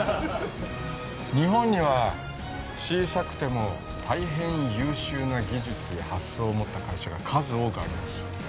日本には小さくても大変優秀な技術や発想を持った会社が数多くあります